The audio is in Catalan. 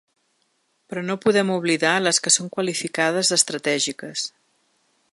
Però no podem oblidar les que són qualificades d’estratègiques.